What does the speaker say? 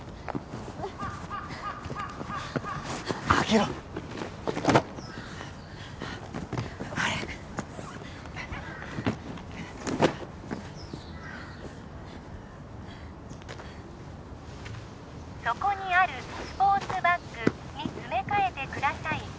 開けろ早くそこにあるスポーツバッグに詰め替えてください